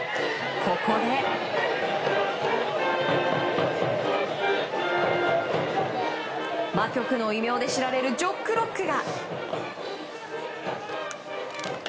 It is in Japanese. ここで、魔曲の異名で知られる「ジョックロック」が。